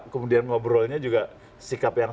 kemudian ngobrolnya juga sikap yang